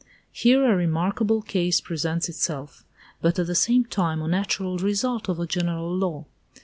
Here a remarkable case presents itself, but at the same time a natural result of a general law.